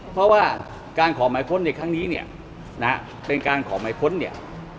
เพราะว่าการขอหมายค้นในครั้งนี้เนี่ยนะฮะเป็นการขอหมายค้นเนี่ย